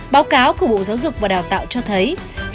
báo cáo của bộ giáo dục và đào tạo cho thấy